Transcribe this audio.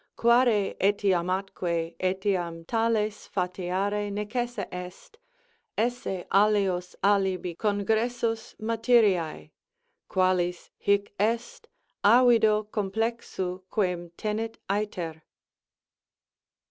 Quare etiam atque etiam tales fateare necesse est Esse alios alibi congressus materiali; Qualis hic est, avido complexu quem tenet æther.